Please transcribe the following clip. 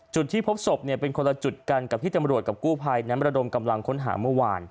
จุดที่พบศพเป็นคนละจุดกันกับที่ตำรวจกับกู้ภัยนั้นระดมกำลังค้นหาเมื่อวาน